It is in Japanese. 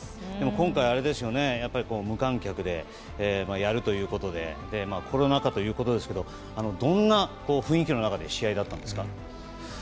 今回、無観客でやるということでコロナ禍ということですけどどんな雰囲気の中での試合だったんですか。